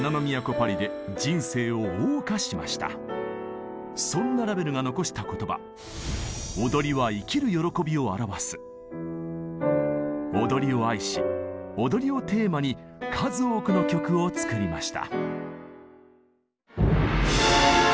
パリでそんなラヴェルが残した言葉踊りを愛し踊りをテーマに数多くの曲を作りました。